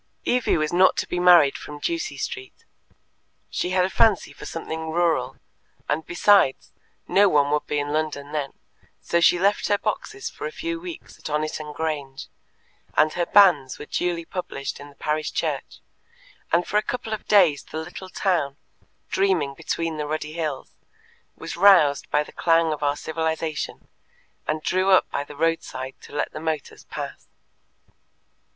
Evie was not to be married from Ducie Street. She had a fancy for something rural, and, besides, no one would be in London then, so she left her boxes for a few weeks at Oniton Grange, and her banns were duly published in the parish church, and for a couple of days the little town, dreaming between the ruddy hills, was roused by the clang of our civilization, and drew up by the roadside to let the motors pass.